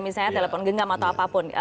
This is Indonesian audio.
misalnya telepon genggam atau apapun